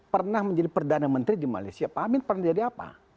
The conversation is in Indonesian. pernah menjadi perdana menteri di malaysia pak amin pernah jadi apa